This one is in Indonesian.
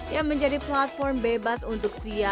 yang menjadi platform bebas untuk siapapun berbicara